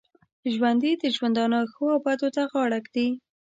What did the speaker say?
ژوندي د ژوندانه ښو او بدو ته غاړه ږدي